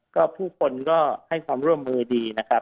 ก็ผู้คนก็ให้ความร่วมมือดีนะครับ